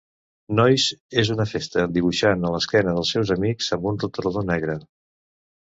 Nois en una festa dibuixant a l'esquena dels seus amics amb un retolador negre.